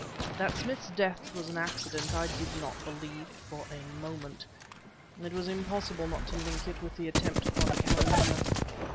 That Smith's death was an accident, I did not believe for a moment; it was impossible not to link it with the attempt upon Karamaneh.